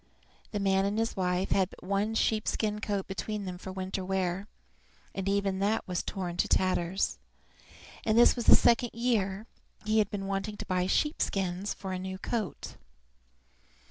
The man and his wife had but one sheepskin coat between them for winter wear, and even that was torn to tatters, and this was the second year he had been wanting to buy sheep skins for a new coat.